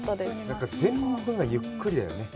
なんか全部がゆっくりだよね。